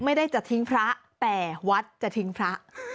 ไม่ได้จะทิ้งพระแต่วัดจะทิ้งพระ